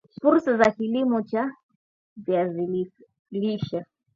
Fursa za kilimo cha viazi lishe